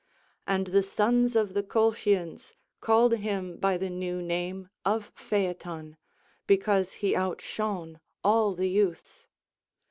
And the sons of the Colchians called him by the new name of Phaethon, because he outshone all the youths.